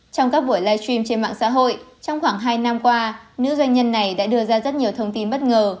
trong các buổi live stream trên mạng xã hội trong khoảng hai năm qua nữ doanh nhân này đã đưa ra rất nhiều thông tin bất ngờ